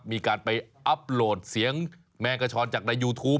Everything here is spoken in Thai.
มีการไปอัพโหลดเสียงแมงกระชอนจากในยูทูป